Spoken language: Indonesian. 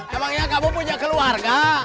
emangnya kamu punya keluarga